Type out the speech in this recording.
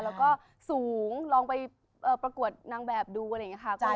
แล้วก็สูงลองไปประกวดนางแบบดูอะไรอย่างนี้ค่ะ